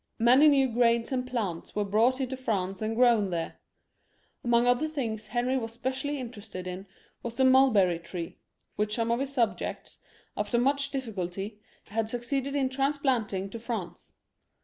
Many new grains and plants were brought into France and grown there* Among other things Henry was specially interested in was the mulberry tree, which some of his subjects, after much difficulty, had succeeded in transplanting to France.